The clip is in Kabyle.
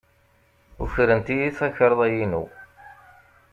Ukren-iyi takarḍa-inu.